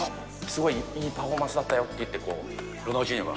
すごいいいパフォーマンスだったよって、ロナウジーニョが。